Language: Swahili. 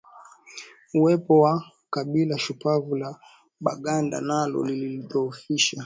Uwepo wa kabila shupavu la Baganda nalo lilidhoofisha